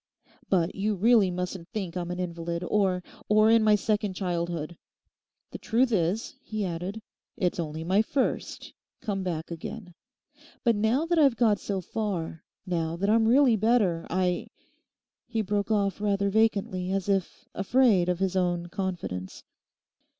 But you really mustn't think I'm an invalid, or—or in my second childhood. The truth is,' he added, 'it's only my first, come back again. But now that I've got so far, now that I'm really better, I—' He broke off rather vacantly, as if afraid of his own confidence.